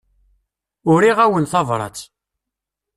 Uriɣ-awen tabrat.